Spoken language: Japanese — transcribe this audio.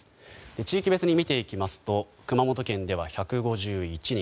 地域別に見ていきますと熊本県では１５１人。